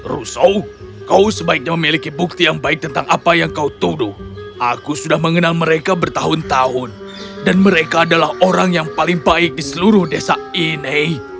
russo kau sebaiknya memiliki bukti yang baik tentang apa yang kau tuduh aku sudah mengenal mereka bertahun tahun dan mereka adalah orang yang paling baik di seluruh desa ini